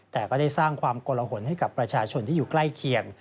แต่ก็ได้สร้างความกลหนให้กับประชาชนที่อยู่ใกล้เคียง